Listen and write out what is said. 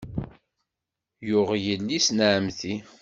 Yuɣ yelli-s n ɛemmti.